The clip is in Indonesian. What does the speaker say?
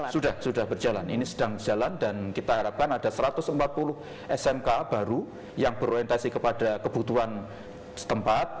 sudah sudah berjalan ini sedang berjalan dan kita harapkan ada satu ratus empat puluh smk baru yang berorientasi kepada kebutuhan setempat